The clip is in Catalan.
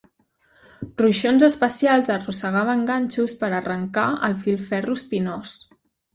"Ruixons" especials arrossegaven ganxos per a arrancar el filferro espinós.